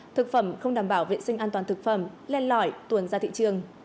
thực phẩm không đảm bảo vệ sinh an toàn thực phẩm lên lõi tuần ra thị trường